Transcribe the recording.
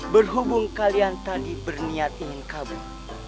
berhubung kalian tadi berniat ingin kabur